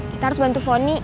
kita harus bantu fonny